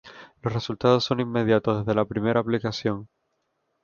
Los resultados son inmediatos, desde la primera aplicación.